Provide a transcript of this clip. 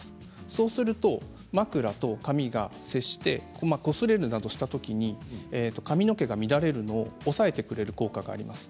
そうすると枕と髪が接してこすれるなどしたときに髪の毛が乱れるのをおさえてくれる効果があります。